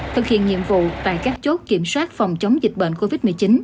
thực hiện nhiệm vụ tại các chốt kiểm soát phòng chống dịch bệnh covid một mươi chín